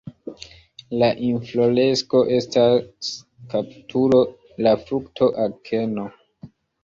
La infloresko estas kapitulo, la frukto akeno.